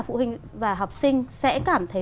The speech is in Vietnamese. phụ huynh và học sinh sẽ cảm thấy